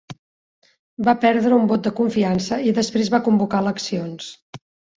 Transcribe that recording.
Va perdre un vot de confiança i després va convocar eleccions.